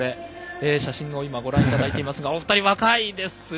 写真をご覧いただいていますがお二人若いですね。